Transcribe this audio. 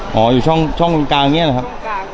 มันเป็นตัวอย่างใหญ่